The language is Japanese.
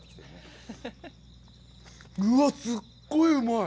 うわ、すごいうまい！